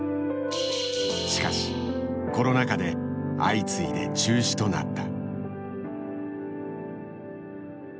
しかしコロナ禍で相次いで中止となった。